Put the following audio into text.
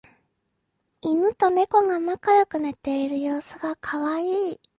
イヌとネコが仲良く寝ている様子がカワイイ